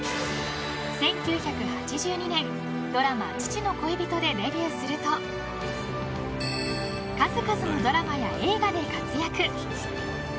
１９８２年、ドラマ「父の恋人」でデビューすると数々のドラマや映画で活躍。